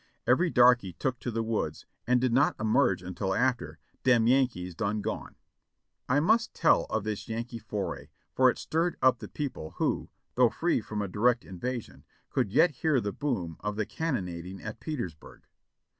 Every darky took to the woods, and did not emerge until after "dem Yankees done gone." I must tell of this Yankee foray, for it stirred up the people who, though free from a direct invasion, could yet hear the boom of the cannonading at Petersburg.